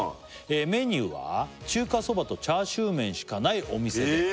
「メニューは中華そばとチャーシュー麺しかないお店で」